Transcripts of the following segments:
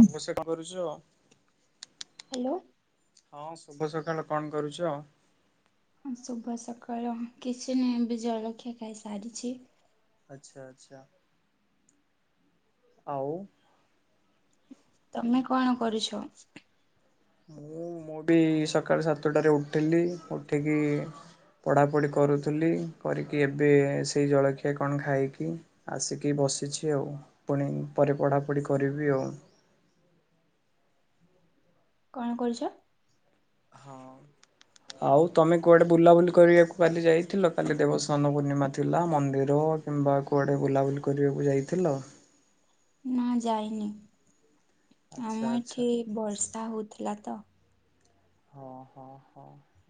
ଅବଶ୍ୟ କଣ କରୁଚ? ହାଲୋ। ହଁ ଶୁଭ ସକାଳ। କଣ କରୁଚ? ହଁ ଶୁଭ ସକାଳ। କିଛି ନାହିଁ ବଏବେ ଜଳଖିଆ ଖାଇସାରିଚି। ଆଚ୍ଛା ଆଚ୍ଛା। ଆଉ? ତମେ କଣ କରୁଛ? ମୁଁ ମୁଁ ବି ସକାଳ ସାତଟାରେ ଉଠିଲି। ଉଠିକି ପଢ଼ାପଢ଼ି କରୁଥିଲି। କରିକି ଏବେ ସେଇ ଜଳଖିଆ କଣ ଖାଇକି ଆସିକି ବସିଛି ଆଉ। ପୁଣି ପରେ ପଢ଼ାପଢ଼ି କରିବି ଆଉ। କଣ କରୁଚ? ହଁ। ଆଉ ତମେ କୁଆଡେ ବୁଲାବୁଲି କରିବାକୁ କାଲି ଯାଇଥିଲ? କାଲି ଦେବସ୍ବାନ ପୂର୍ଣ୍ଣିମା ଥିଲା। ମନ୍ଦିର କିମ୍ବା କୁଆଡ଼େ ବୁଲାବୁଲି କରିବାକୁ ଯାଇଥିଲ? ନା ଯାଇନି। ଆଚ୍ଛା ଆମ ଆଚ୍ଛା ଏଠି ବର୍ଷା ହଉଥିଲା ତ। ହଁ ହଁ ହଁ।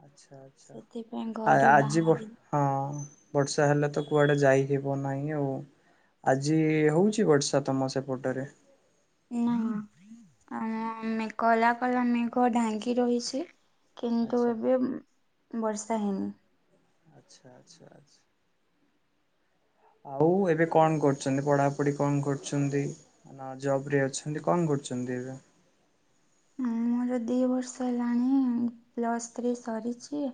ଆଛା ଆଛା। ସେଥିପାଇଁ ଆ ଘରୁ ଆଜି ବ ବାହାରି ହଁ ବର୍ଷା ହେଲେ ତ କୁଆଡେ ଯାଇ ହେବ ନାହିଁ ଆଉ। ଆଜି ହଉଚି ବର୍ଷା ତମ ସେପଟରେ? ନାଁ ନାଁ। ଆମ ଆମେ କଲା କଲା ମେଘ ଢାଙ୍ଗି ରହିଛି। କିନ୍ତୁ ଆଚ୍ଛା ଏବେ ବର୍ଷା ହେଇନି। ଆଚ୍ଛା ଆଚ୍ଛା ଆଚଛା। ଆଉ ଏବେ କଣ କରୁଚନ୍ତି? ପଢାପଢି କଣ କରୁଚନ୍ତି? ନା ଜବ ରେ ଅଛନ୍ତି? କଣ କରୁଛନ୍ତି ଏବେ? ମୋର ଦୁଇ ବର୍ଷ ହେଲାଣି ପ୍ଲସ୍ ଥ୍ରୀ ସରିଛି।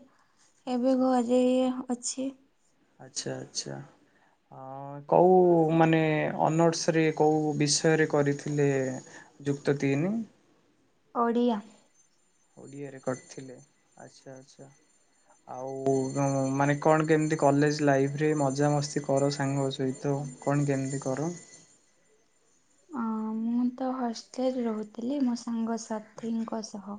ଏବେ ଆଚ୍ଛା ଘରେ ଅଛି। ଆଛା ଆଚ୍ଛା। ଅ କୋଉ ମାନେ ଅନର୍ସ ରେ କୋଉ ବିଷୟରେ କରିଥିଲେ? ଯୁକ୍ତ ତିନି। ଓଡ଼ିଆ। ଓଡ଼ିଆରେ କରିଥିଲେ। ଆଚ୍ଛା ଆଛା। ଆଉ ମାନେ କଣ କେମିତି କଲେଜ ଲାଇଫରେ ମଜାମସ୍ତି କର ସାଙ୍ଗ ସହିତ? କଣ କେମିତି କର? ଅଁ ମୁଁ ତ ହଷ୍ଟେଲରେ ରହୁଥିଲି ମୋ ସାଙ୍ଗସାଥିଙ୍କ ସହ।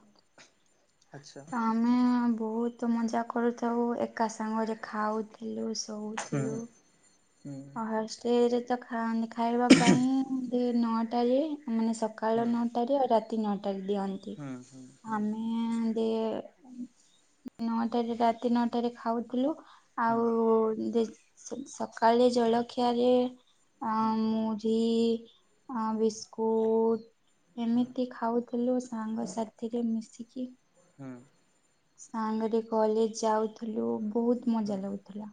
ଆଚ୍ଛା। ତ ଆମେ ବହୁତ ମଜା କରୁଥାଉ। ଏକା ସାଙ୍ଗରେ ଖାଉଥିଲୁ ସବୁ। ହୁଁ ହୁଁ। ହଷ୍ଟେଲରେ ତ ଖାଏନି। ଖାଇବା ପାଇଁ ନଅଟାରେ ମାନେ ସକାଳ ହୁଁ ନଅ ଟାରେ ଆଉ ରାତି ନଅଟାରେ ଦିଅନ୍ତି। ହୁଁ ହୁଁ ହୁଁ ଆମେ ଏଁ ଦେ ନଅଟାରେ ରାତି ନଅଟାରେ ଖାଉଥିଲୁ ହୁଁ ଆଉ ଦେ ସକାଳେ ଜଳଖିଆରେ ହୁଁ ଅଁ ମୁ ଢ଼ି ଅଁ ବିସ୍କୁଟ ହୁଁ ଏମିତି ଖାଉ ଥିଲୁ ସାଙ୍ଗସାଥିରେ ମିଶିକି। ହୁଁ। ସାଙ୍ଗରେ କଲେଜ ଯାଉଥିଲୁ ବହୁତ ମଜା ଲାଗୁଥିଲା।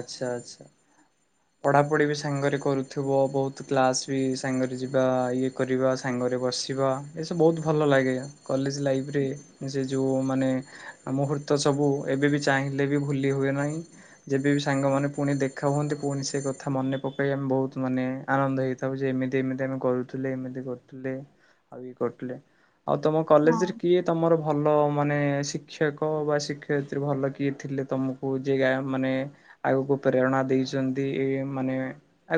ଆଚ୍ଛା ଆଚ୍ଛା। ପଢାପଢି ବି ସାଙ୍ଗରେ କରୁଥିବ ବହୁତ କ୍ଲାସ ବି ସାଙ୍ଗରେ ଯିବା ଇଏ କରିବା ସାଙ୍ଗରେ ବସିବା ଏସବୁ ବହୁତ ଭଲ ଲାଗେ। କଲେଜ ଲାଇଫ୍ରେ ସେ ଯଉ ମାନେ ମୁହୂର୍ତ୍ତ ସବୁ ଏବେବି ଚାହିଁ ହେଲେ ବି ଭୁଲି ହୁଏ ନାହିଁ। ଯେବେବିି ସାଙ୍ଗମାନେ ପୁଣି ଦେଖା ହୁଅନ୍ତି ପୁଣି ସେ କଥା ମନେ ପକାଇ ଆମେ ବହୁତ ମାନେ ଆନନ୍ଦ ହେଇଥାଉ ଯେ ଏମିତି ଏମିତି ଆମେ କରୁଥିଲେ ଏମିତି କରୁଥିଲେ ଆଉ ଇଏ କରୁଥିଲେ ଆଉ ତମ ହଁ କଲେଜରେ କିଏ ତମର ଭଲ ମାନେ ଶିକ୍ଷକ ବା ଶିକ୍ଷୟିତ୍ରୀ ଭଲ କିଏ ଥିଲେ ତମକୁ ଯିଏ ଗା ମାନେ ଆଗକୁ ପ୍ରେରଣା ଦେଇଛନ୍ତି ଏ ମାନେ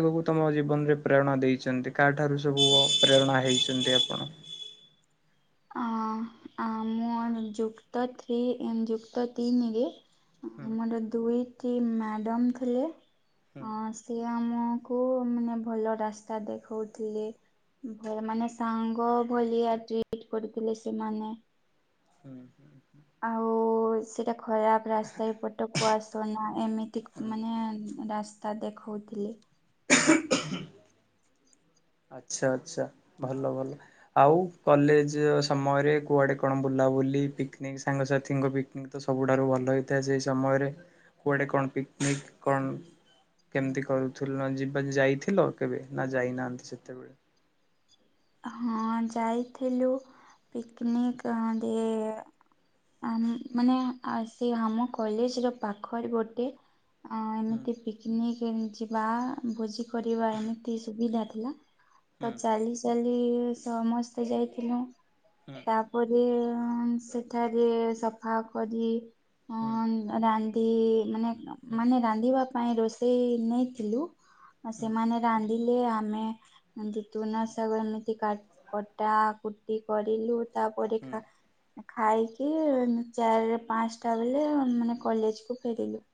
ଆଗକୁ ତମ ଜୀବନରେ ପ୍ରେରଣା ଦେଇଛନ୍ତି କାହା ଠାରୁ ସବୁ ପ୍ରେରଣା ହେଇଛନ୍ତି ଆପଣ? ଅଁ ଅଁ ମୁଁ ଯୁକ୍ତ ଥ୍ରୀ ଉଁ ଯୁକ୍ତ ତିନିରେ ହୁଁ ଆମର ଦୁଇଟି ମ୍ୟାଡମ୍ ଥିଲେ ହୁଁ। ଅଁ ସିଏ ଆମକୁ ମାନେ ଭଲ ରାସ୍ତା ଦେଖଉଥିଲେ। ଭଲ ମାନେ ସାଙ୍ଗ ଭଳିଆ ଟ୍ରିଟ କରିଥିଲେ ସେମାନେ। ଆଛା ଆଉ ସେଇଟା ଖରାପ ରାସ୍ତା ଏ ପଟ କୁ ଆସନା ଏମିତି ମାନେ ରାସ୍ତା ଦେଖଉଥିଲେ। ଆଚ୍ଛା ଆଚ୍ଛା ଭଲ ଭଲ। ଆଉ କଲେଜ ସମୟରେ କୁଆଡେ କଣ ବୁଲାବୁଲି ପିକନିକ ସାଙ୍ଗସଥିଙ୍କ ବି ନିକ୍ ତ ସବୁଠାରୁ ଭଲ ହେଇଥାଏ ସେଇ ସମୟରେ କୁଆଡ଼େ କଣ ପିକନିକ କଣ କେମିତି କରୁଥୁଲ ଯିବା ଯାଇଥିଲ କେବେ ନା ଯାଇନାହାନ୍ତି ସେତେବେଳେ? ହଁ ଯାଇଥିଲୁ ପିକନିକ ଅଁ ଦେ ଅଁ ମାନେ ସେ ଆମ କଲେଜର ପାଖରେ ଗୋଟେ ଅଁ ହୁଁ ଏମିତି ପିକନିକ ଯିବା ଭୋଜି କରିବା ଏମିତି ସୁବିଧା ଥିଲା ହୁଁ ତ ଚାଲି ଚାଲି ସମସ୍ତେ ଯାଇଥିଲୁ। ହୁଁ। ତାପରେ ସେଠାରେ ସଫାକରି ହୁଁ। ରାନ୍ଧି ମାନେ ହୁଁ ମାନେ ରାନ୍ଧିବା ପାଇଁ ରୋଷେଇ ନେଇଥିଲୁ ହୁଁ ସେମାନେ ରାନ୍ଧିଲେ ଆମେ ଜିତୁନା ତାକୁ ଏମିତି କା କଟା କୁଟି କରିଲୁ ତାପରେ ହୁଁ। ଖା ଖାଇକି ଚାରି ପାଞ୍ଚଟା ବେଳେ ମାନେ କଲେଜକୁ ଫେରିଲୁ।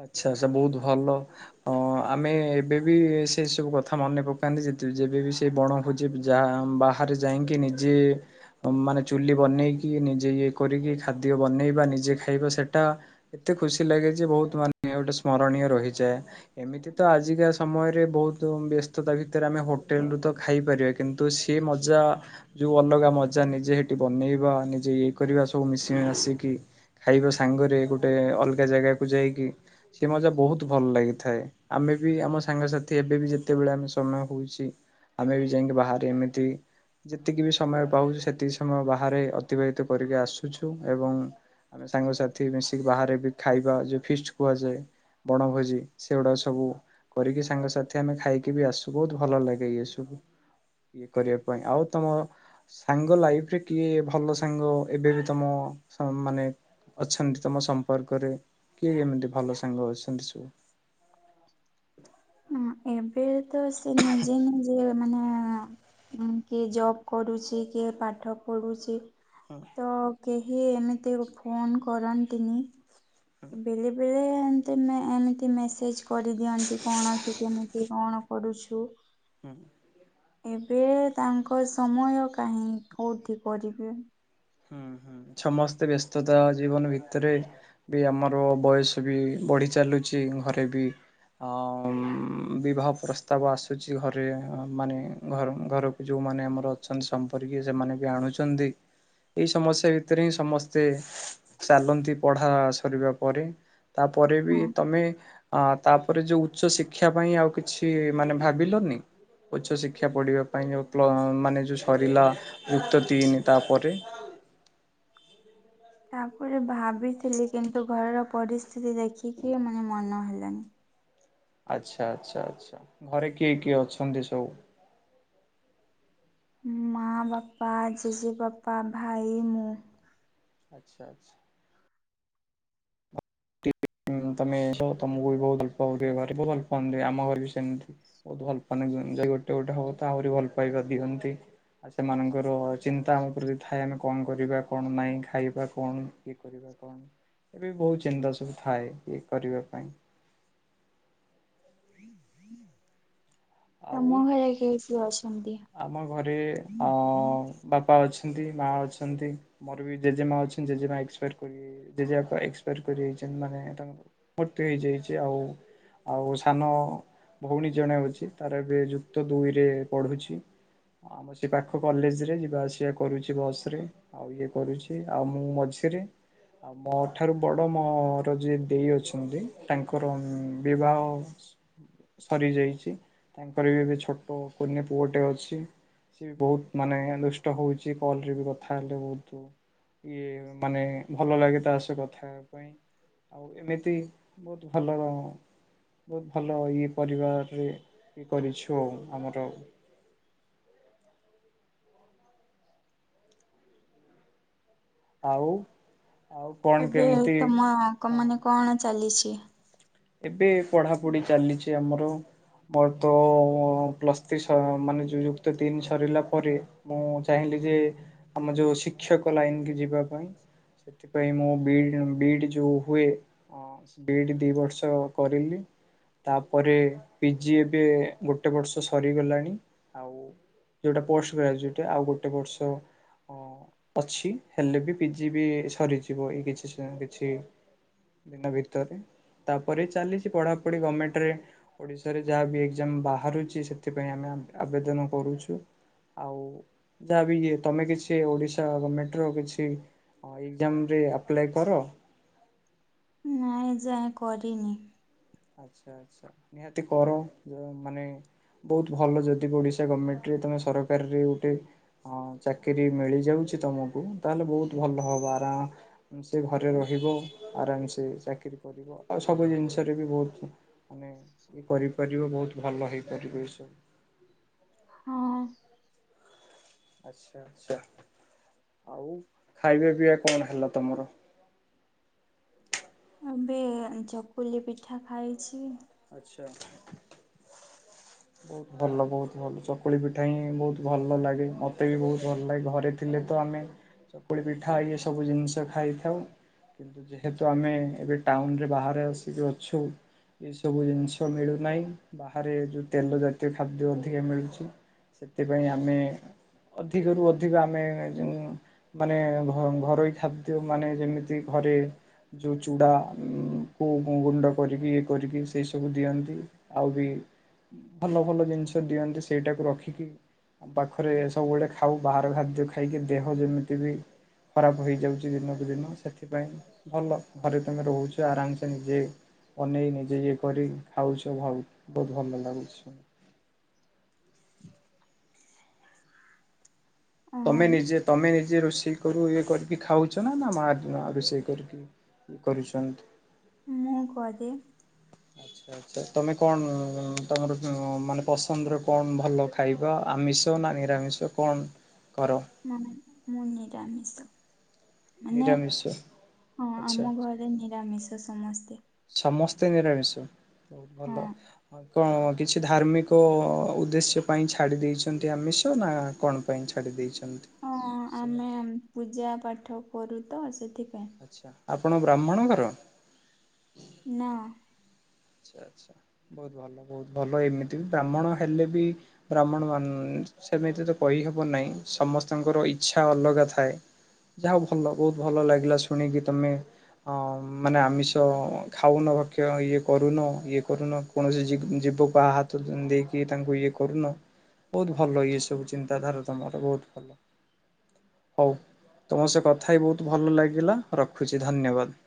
ଆଚ୍ଛା ସେ ବହୁତ ଭଲ ଅଁ ଆମେ ଏବେ ବିି ସେ ସବୁ କଥା ମନେ ପକାନ୍ତି ଯେତେ ଯେବେବି ସେ ବଣ ଭୋଜି ଯା ବାହାରେ ଯାଇକି ନିଜେ ମାନେ ଚୁଲି ବନେଇକି ନିଜେ ଇଏ କରିକି ଖାଦ୍ୟ ବନେଇବା ନିଜେ ଖାଇବା ସେଟା ଏତେ ଖୁସି ଲାଗେ ଯେ ବହୁତ ମାନେ ଗୋଟେ ସ୍ମରଣୀୟ ରହିଯାଏ। ଏମିତି ତ ଆଜିକା ସମୟରେ ବହୁତ ବ୍ୟସ୍ତତା ଭିତରେ ଆମେ ହୋଟେଲ ରୁ ତ ଖାଇପାରିବା କି କିନ୍ତୁ ସିଏ ମଜା ଯୋଉ ଅଲଗା ମଜା ନିଜେ ହେଠି ବନେଇବା ନିଜେ ଇଏ କରିବା ସବୁ ମିଶି ମାସିକି। ଖାଇବ ସାଙ୍ଗରେ ଗୋଟେ ଅଲଗା ଜାଗାକୁ ଯାଇକି ସେ ମଜା ବହୁତ ଭଲ ଲାଗିଥାଏ। ଆମେ ବି ଆମ ସାଙ୍ଗସାଥି ଏବେ ବି ଯେତେବେଳେ ଆମେ ସମୟ ହଉଛି ଆମେ ବି ଯାଇକି ବାହାରେ ଏମିତି ଯେତିକି ବି ସମୟ ପାଉଛିୁ ସେତିକି ସମୟ ବାହାରେ ଅତିବାହିତ କରିକି ଆସୁଛୁ ଏବଂ ଆମେ ସାଙ୍ଗସାଥି ମିଶିକି ବାହାରେ ବି ଖାଇବା ଯୋଉ ଫିଷ୍ଟ କୁହାଯାଏ। ବଣଭୋଜି ସେଗୁଡା ସବୁ କରିକି ସାଙ୍ଗସାଥି ଆମେ ଖାଇକି ବି ଆସୁ ବହୁତ ଭଲ ଲାଗେ ଇଏ ସବୁ। କରିବା ପାଇଁ ଆଉ ତମ ସାଙ୍ଗ ଲାଇଫରେ କିଏ ଭଲ ସାଙ୍ଗ ଏବେ ତମ ମାନେ ଅଛନ୍ତି ତମ ସମ୍ପର୍କରେ କିଏ କେମିତି ଭଲ ସାଙ୍ଗ ଅଛନ୍ତି ସବୁ। ହ ଏବେ ତ ସେ ନିଜେ ନିଜେ ମାନେ କିଏ ଜବ୍ କରୁଛି କିଏ ପାଠ ପଢ଼ୁଛି। ହଁ କିଏ ସହରରେ ରହୁଚି କିଏ ରୋଜକରରେ ବ୍ୟସ୍ତ ସେଥିପାଇଁ ଆଗପରି କିଛି ନାହିଁ ତ କେହି ଏମିତି ଫୋନ୍ କରନ୍ତିନି ବେଳେବେେଳେ ତେମେ ଏମିତି ମେସେଜ କରିଦିଅନ୍ତି କ'ଣ ଟିକି ମିକ୍ଷୀ କ'ଣ କରୁଛୁ। ହୁଁ ଏମିତି ସବୁ ଚାଲିଛି ଆଉ ଏବେ ତାଙ୍କ ସମୟ କାହିଁ କୋଉଠି ପଢ଼ିବେ। ସମସ୍ତେ ବ୍ୟସ୍ତତା ଜୀବନ ଭିତର ବି ଆମର ବୟସ ବି ବଢି ଚାଲୁଛି ଘରେ ବି ହଁ ବିବାହ ପ୍ରସ୍ତାବ ଆସୁଛି ଘରେ ମାନେ ଘର ଘର ଯଉମାନେ ଆମର ଅଛନ୍ତି ସମ୍ପର୍କୀୟ ସେମାନେ ବି ଆଣୁଛନ୍ତି। ଏଇ ସମସ୍ୟା ଭିତରେ ହିଁ ସମସ୍ତେ ଚାଲନ୍ତି ପଢା ସରିବା ପରେ। ତାପରେ ବି ହଁ ତମେ ହଁ ତାପରେ ଯୋଉ ଉଚ୍ଚ ଶିକ୍ଷା ପାଇଁ ଆଉ କିଛି ମାନେ ଭାବିଲନି? ଉଚ୍ଚ ଶିକ୍ଷା ପଢିବା ପାଇଁ ପ୍ଲ ଯଉ ମାନେ ଯୋଉ ସରିଲା ଯୁକ୍ତ ତିନି ତାପରେ। ତାପରେ ଭାବିଥିଲି କିନ୍ତୁ ଘରର ପରିସ୍ଥିତି ଦେଖିକି ମାନେ ମନ ହେଲାନି। ଆଚ୍ଛା ଆଚ୍ଛା ଆଚ୍ଛା ଘରେ କିଏ କିଏ ଅଛନ୍ତି ସବୁ। ମା ବାପା ଜେଜ ବାପା ଭାଇ ମୁଁ। ଆଚ୍ଛା ଆଚ୍ଛା। ତମେ ତମକୁ ବି ବହୁତ ଭଲ ପାଉଥିବେ ଘରେ ବହୁତ ଭଲ ପାନ୍ତି ଆମ ଘରେ ବି ସେମିତି। ବହୁତ ଭଲ ପାାନ ଦିଅନ୍ତି ଯାଇ ଗୋଟେ ଗୋଟେ ହବ ତ ଆହୁରି ଭଲ ପାଇବା ଦିଅନ୍ତି। ଆଉ ସେମାନଙ୍କର ଚିନ୍ତା ଆମ ପ୍ରତି ଥାଏ ଆମେ କଣ କରିବା କଣ ନାହିଁ ଖାଇବା କଣ? କରିବା କଣ ଏବେ ବହୁତ ଚିନ୍ତା ସବୁ ଥାଏ ଇଏ କରିବା ପାଇଁ। ଆଉ ତମ ଘରେ କିଏ କିଏ ଅଛନ୍ତି? ଆମ ଘରେ ଅ ବାପା ଅଛନ୍ତି ମା ଅଛନ୍ତି ମୋର ବି ଜେଜେ ମା ଅଛନ୍ତି ଜେଜେ ମା ଏକ୍ସପାଟ କରି ଜେଜେ ବାପା ଏକ୍ସପାଟ କରି ଯାଇଛନ୍ତି ମାନେ ତାଙ୍କର ମୃତ୍ୟୁ ହେଇଯାଇଛି ଆଉ ଆଉ ସାନ ଭଉଣୀ ଜଣେ ଅଛି ତାର ଏବେ ଯୁକ୍ତ ଦୁଇରେ ପଢୁଛି। ହଁ ସେ ପାଖ କଲେଜ ରେ ଯିବା ଆସିବା କରୁଛି ବସ ରେ। ଆଉ ଇଏ କରୁଛି ଆଉ ମୁଁ ମଝିରେ ଆଉ ମୋ ଠାରୁ ବଡ ମୋର ଯିଏ ଦେଇ ଅଛନ୍ତି ତାଙ୍କର ବିବାହ ହ ସରି ଯାଇଛି ତାଙ୍କର ବି ଏବେ ଛୋଟ କୁନି ପୁଅ ଟେ ଅଛି। ସ ବହୁତ ମାନେ ଦୁଷ୍ଟ ହଉଛି କଲରେ ବି କଥା ହେଲେ ବହୁତ ଇଏ ମାନେ ଭଲ ଲାଗେ ତା ସ କଥା ପାଇଁ। ଆଉ ଏମିତି ବହୁତ ଭଲ ର ବହୁତ ଭଲ ଇ ପରିବାରରେ ଇଏ କରିଛୁ ଆଉ ଆମର ଆଉ ଆଉ କଣ ଏବେ କେମିତି ତମ ହଁ। ମାନେ କଣ ଚାଲିଛି? ଏବେ ପଢାପଢି ଚାଲିଛି ଆମର ମୋର ତ ପ୍ଲସ୍ ମାନେ ଯୋଉ ଯୁକ୍ତ ତିନି ସରିଗଲା ପରେ ମୁଁ ଚାହିଁଲି ଯେ ଆମ ଯୋଉ ଶିକ୍ଷକ ଲାଇନ କି ଯିବା ପାଇଁ ସେଥିପାଇଁ ମୁଁ ବିଡ ବିଡ ଯୋଉ ହୁଏ ବିଡ ଦି ବର୍ଷ କରିଲି। ତାପରେ ପିଜିି ଏବେ ଗୋଟେ ବର୍ଷ ସରିଗଲାଣି ଆଉ ଯଉଟା ପୋଷ୍ଟ ଗ୍ରାଜୁଏଟ୍ ଆଉ ଗୋଟେ ବର୍ଷ ଅଛି ହେଲେ ବି ପିଜି ବି ସରିଯିବ ଏଇ କିଛି କିଛି ଦିନ ଭିତରେ ତାପରେ ଚାଲିଛି ପଢାପଢି ଗମେଣ୍ଟରେ ଓଡିଶାରେ ଯାହା ବି ଏକଜାମ୍ ବାହାରୁଛି ସେଥିପାଇଁ ଆମେ ଆବେଦନ କରୁଛୁ। ଆଉ ଯାହାବ ଇ ତମେ କିଛି ଓଡିଶା ଗମେଣ୍ଟ ର କିଛି ହଁ ଏକଜାମ୍ ରେ ଆପ୍ଲାଏ କର। ନାଇଁ ଯାଏ କରିନି। ଆଚ୍ଛା ଆଚ୍ଛା ନିହାତି କର ଯ ମାନେ ବହୁତ ଭଲ ଯଦି ବି ଓଡିଶା ଗଭର୍ଣ୍ଣମେଣ୍ଟ ରେ ତମେ ସରକାରରେ ଗୋଟେ ହଁ ଚାକିରିୀ ମିଳିଯାଉଛି ତମକୁ ତାହେଲେ ବହୁତ ଭଲ ହବ ଆର ସେ ଘରେ ରହିବ ଆରାମ ସେ ଚାକିରି କରିବ ଆଉ ସବୁ ଜିନିଷରେ ବି ବହୁତ ମାନେ ଇଏ କରିପାରିବ ବହୁତ ଭଲ ହେଇପାରିବ ଏସବୁ ହଁ। ଆଚ୍ଛା ଆଛା ଆଉ ଖାଇବା ପିଇବା କଣ ହେଲା ତମର? ଏବେ ଚକୁଲି ପିଠା ଖାଇଛି। ଆଛା। । ବହୁତ ଭଲ ବହୁତ ଭଲ ଚକୁଳି ପିଠା ହିଁ ବହୁତ ଭଲ ଲାଗେ ମତେ ବି ବହୁତ ଭଲ ଲାଗେ ଘରେ ଥିଲେ ତ ଆମେ ଚକୁଳି ପିଠା ଇଏ ସବୁ ଜିନିଷ ଖାଇଥାଉ। କିନ୍ତୁ ଯେହେତୁ ଆମେ ଏବେ ଟାଉନରେ ବାହାରେ ଆସିକି ଅଛୁ ଏ ସବୁ ଜିନିଷ ମିଳୁନାହିଁ ବାହାରେ ଯୋଉ ତେଲ ଜାତୀୟ ଖାଦ୍ୟ ଅଧିକା ମିଳୁଛି। ସେଥିପାଇଁ ଆମେ ଅଧିକରୁୁ ଅଧିକ ଆମେ ଯ ମାନେ ଘ ଘରୋଇ ଖାଦ୍ୟ ମାନେ ଯେମିତି ଘରେ ଯୋଉ ଚୁଡା କୁ ଗୁଣ୍ଡ କରିକି କରିକି ସେଇ ସବୁ ଦିଅନ୍ତି ଆଉ ବି ଭଲ ଭଲ ଜିନିଷ ଦିଅନ୍ତି ସେଇଟାକୁ ରଖିକି ଆମ ପାଖରେ ଏ ସବୁ ବେଳ ଖାଉ ବାହାର ଖାଦ୍ୟ ଖାଇକି ଦେହ ଯେମିତି ବି ଖରାପ ହୋଇଯାଉଛି ଦିନକୁ ଦିନ ସେଥିପାଇଁ ଭଲ ଘରେ ତମେ ରହୁଛ ଆରାମସ ନିଜେ ବନେଇ ଯେ ଇଏ କରି ଖାଉଛ ଭାଉ ବହୁତ ଭଲ ଲାଗୁଛି। ଆ, ତମେ ନିଜେ ତମେ ନିଜେ ରୋଷେଇ କରୁ ଇଏ କରିକି ଖାଉଛ ନା ନା ମା ଦିନ ରୋଷେଇ କରିକି କରୁଛନ୍ତି। [unintelligible] [inaudible] ତ ତୁମେ କଣ ତମର ମାନେ ପସନ୍ଦରେ କଣ ଭଲ ଖାଇବା ଆମିଷ ନା ନିରାମିଷ। କଣ କର। ମ ମୁନିରାମ ମିଶ। ମାନେ ନିରାମିଷ? ହଁ ଆଚ୍ଛା ଆମ ଘରେ ନିରାମିଷ ସମସ୍ତେ। ସମସ୍ତେ ନିରାମିଷ। ହଁ କଣ କିଛି ଧାର୍ମିକ ଉଦ୍ଦେଶ୍ୟ ପାଇଁ ଛାଡି ଦେଇଛନ୍ତି ଆମିଷ ନା କଣ। ପାଇଁ ଛାଡ଼ି ଦେଇେଇଛନ୍ତି। ହଁ ଆମେ ପୂଜା ପାଠ କରୁ ତ ସେଥିପାଇଁ। ଆଚ୍ଛା ଆପଣ ବ୍ରାହ୍ମଣ ଘର। ନାଁ। ଆଛା ଆଚ୍ଛା ବହୁତ ଭଲ ବହୁତ ଭଲ ଏମିତି ବି ବ୍ରାହ୍ମଣ ହେଲେ ବି ବ୍ରାହ୍ମଣ ମାନ ସେମିତି ତ କହିହବ ନାହିଁ ସମସ୍ତଙ୍କର ଇଚଛା ଅଲଗା ଥାଏ। ଯାହା ହ ଭଲ ବହୁତ ଭଲ ଲାଗିଲା ଶୁଣିକି ତମେ। ହଁ ମାନେ ଆମିଷ ଖାଉନ ଭକ୍ଷ ଇଏ କରୁନ ଇଏ କରୁନ କୌଣସି ଯୀବ ପା ହାତ ଦେଇକି ତାଙ୍କୁ ଇଏ କରୁନ। ବହୁତ ଭଲ ଇଏ ସବୁ ଚିନ୍ତାଧାରା ତମର ବହୁତ ଭଲ। ହଉ ତମ ସେ କଥା ହ ବହୁତ ଭଲ ଲାଗିଲା ରଖୁଛି ଧନ୍ୟବାଦ।